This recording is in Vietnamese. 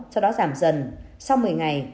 sau đó giảm dần sau một mươi ngày